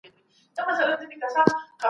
په مځکه کي ژوند کول ځيني اصول لري.